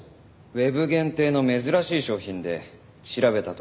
ウェブ限定の珍しい商品で調べたところ